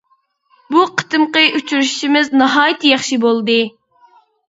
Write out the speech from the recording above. بۇ قېتىمقى ئۇچرىشىشىمىز ناھايىتى ياخشى بولدى.